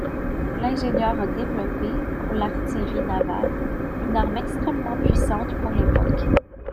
L'ingénieur a développé, pour l'artillerie navale, une arme extrêmement puissante pour l'époque.